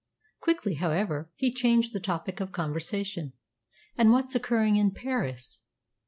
Quickly, however, he changed the topic of conversation. "And what's occurring in Paris?"